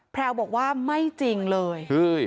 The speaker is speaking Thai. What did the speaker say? แพลวบอกว่าไม่จริงเลย